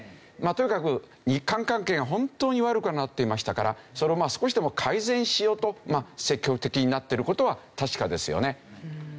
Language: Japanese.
とにかく日韓関係が本当に悪くなっていましたからそれを少しでも改善しようと積極的になっている事は確かですよね。